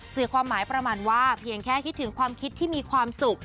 สื่อความหมายประมาณว่าเพียงแค่คิดถึงความคิดที่มีความสุข